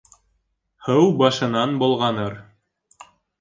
Һыу башынан болғаныр.